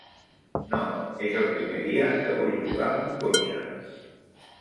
No, és el primer dia que vull llogar un cotxe.